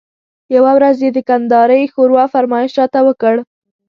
یوه ورځ یې د کندارۍ ښوروا فرمایش راته وکړ.